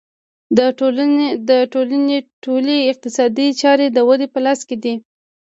د ټولنې ټولې اقتصادي چارې د دوی په لاس کې دي